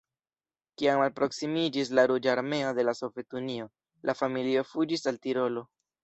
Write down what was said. Kiam alproksimiĝis la Ruĝa Armeo de la Sovetunio, la familio fuĝis al Tirolo.